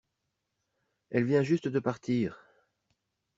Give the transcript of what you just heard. Elle vient juste de partir.